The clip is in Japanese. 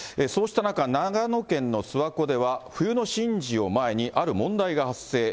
そうした中、長野県の諏訪湖では、冬の神事を前に、ある問題が発生。